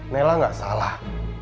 nela gak salah